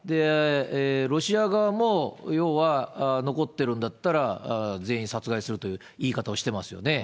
ロシア側も要は残ってるんだったら、全員殺害するという言い方をしてますよね。